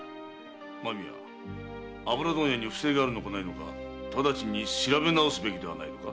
間宮油問屋に不正があるのかないのかただちに調べ直すべきではないのか？